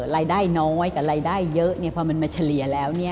รายได้น้อยกับรายได้เยอะพอมันมาเฉลี่ยแล้ว